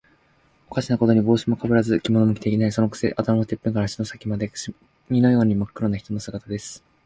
おかしなことには、帽子もかぶらず、着物も着ていない。そのくせ、頭のてっぺんから足の先まで、墨のようにまっ黒な人の姿です。